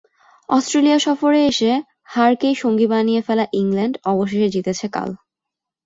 Australia সফরে এসে হারকেই সঙ্গী বানিয়ে ফেলা ইংল্যান্ড অবশেষে জিতেছে কাল।